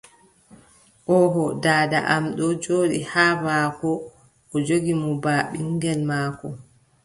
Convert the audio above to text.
Oooho. Daada am ɗon jooɗi haa maako, o joggi mo baa ɓinŋgel maako.